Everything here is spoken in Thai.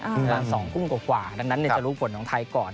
หลังสองกึ่งกว่าดังนั้นจะรู้ผลของไทยก่อน